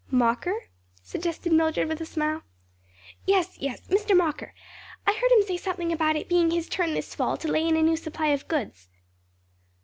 "Mocker?" suggested Mildred with a smile. "Yes, yes, Mr. Mocker, I heard him say something about it being his turn this fall to lay in a new supply of goods."